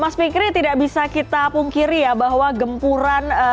mas fikri tidak bisa kita pungkiri ya bahwa gempuran